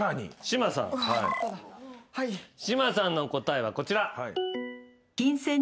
島さんの答えはこちら。